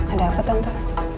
ada apa tante